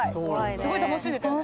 すごい楽しんでたよね。